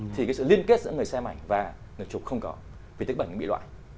thì cái sự liên kết giữa người xem ảnh và người chụp không có vì tức ảnh bị loại